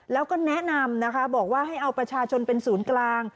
แล้วก็แนะนำนะคะบอกว่าให้เอาประชาชนเป็นศูนย์กลาง